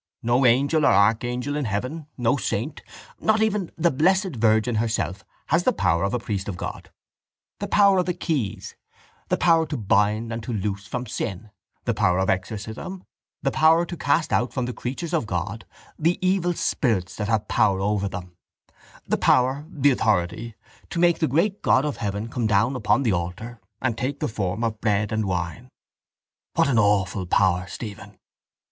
No angel or archangel in heaven, no saint, not even the Blessed Virgin herself, has the power of a priest of God: the power of the keys, the power to bind and to loose from sin, the power of exorcism, the power to cast out from the creatures of God the evil spirits that have power over them; the power, the authority, to make the great God of Heaven come down upon the altar and take the form of bread and wine. What an awful power, Stephen!